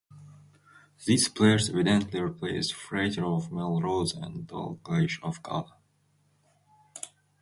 These players evidently replaced Frater of Melrose and Dalgleish of Gala.